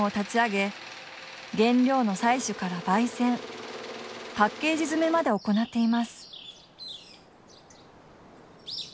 原料の採取から焙煎パッケージ詰めまで行っています。